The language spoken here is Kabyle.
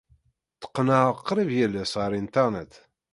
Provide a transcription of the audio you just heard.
Tteqqneɣ qrib yal ass ɣer Internet.